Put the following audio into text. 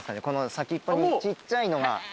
この先っぽにちっちゃいのが。